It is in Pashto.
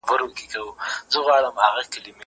زه اجازه لرم چي قلم استعمالوم کړم.